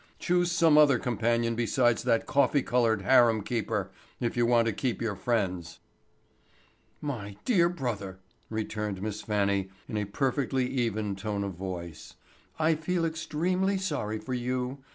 Choose some other companion besides that coffee colored harem keeper if you want to keep your friends." "My dear brother," returned Miss Fannie, in a perfectly even tone of voice. "I feel extremely sorry for you.